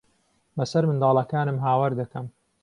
بەسەر منداڵەکانم ھاوار دەکەم.